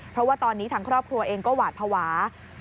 เพราะว่าตอนนี้ทางครอบครัวเองก็หวาดภาวะ